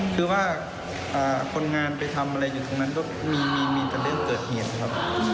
คือว่าคนงานไปทำอะไรอยู่ตรงนั้นก็มีเกิดเห็นนะครับ